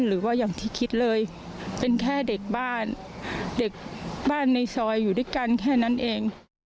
หรือว่าอย่างที่คิดเลยเป็นแค่เด็กบ้านเด็กบ้านในซอยอยู่ด้วยกันแค่นั้นเอง